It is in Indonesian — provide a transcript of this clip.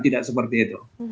tidak seperti itu